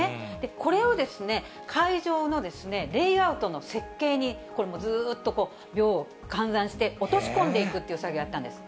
これを会場のレイアウトの設計に、これ、ずーっと秒を換算して、落とし込んでいくっていう作業をやったんです。